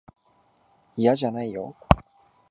いやじゃないよ。